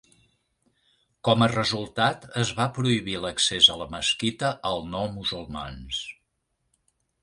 Com a resultat, es va prohibir l'accés a la mesquita al no musulmans.